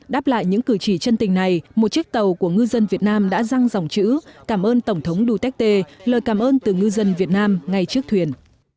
đáp lại những cử chỉ chân tình này một chiếc tàu của ngư dân việt nam đã răng dòng chữ cảm ơn tổng thống duterte lời cảm ơn từ ngư dân việt nam ngay trước thuyền